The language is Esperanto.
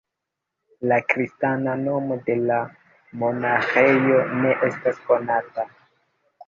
La kristana nomo de la monaĥejo ne estas konata.